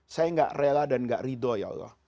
saya gak rela dan gak ridho ya allah